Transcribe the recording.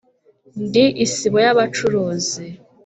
ndi isibo y’abacuruzi